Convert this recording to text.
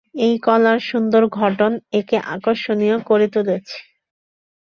এই কলার সুন্দর গঠন একে আকর্ষণীয় করে তুলেছে।